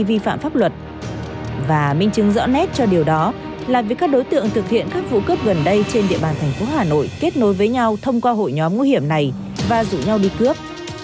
và minh chứng rõ nét cho điều đó là vì các đối tượng thực hiện các vụ cướp gần đây trên địa bàn thành phố hà nội kết nối với nhau thông qua hội nhóm nguy hiểm này và rủ nhau đi cướp